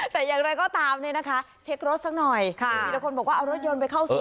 แต่อย่างไรก็ตามเนี่ยนะคะเช็ครถสักหน่อยทีละคนบอกว่าเอารถยนต์ไปเข้าสู่